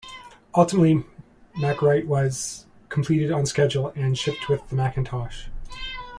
Ultimately, MacWrite was completed on schedule and shipped with the Macintosh.